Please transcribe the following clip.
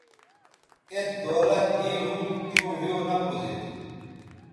ایت دولت دے ھُم تیوں ھِیو نہ پوزید